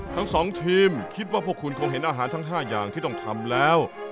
ทั้งสองทีมคิดว่าพวกคุณคงเห็นอาหารทั้ง๕อย่างที่ต้องทำแล้ว